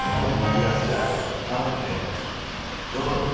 いらっしゃい頼むね。